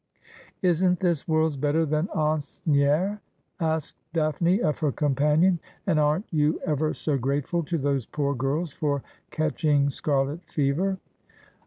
' Isn't this worlds better than Asnieres ?' asked Daphne of her companion ;' and aren't you ever so grateful to those poor girls for catching scarlet fever